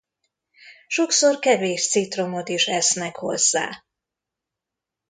Sokszor kevés citromot is esznek hozzá.